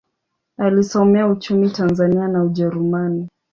Alisomea uchumi Tanzania na Ujerumani.